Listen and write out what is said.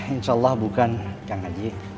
insya allah bukan kang haji